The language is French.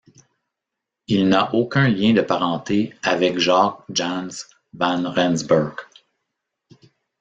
Il n'a aucun lien de parenté avec Jacques Janse van Rensburg.